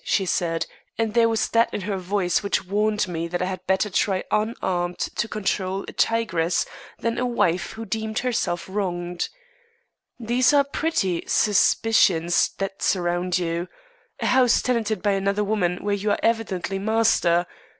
she said, and there was that in her voice which warned me that I had better try unarmed to control a tigress than a wife who deemed herself wronged; "these are pretty suspicions that surround you. A house tenanted by another woman where you are evidently master!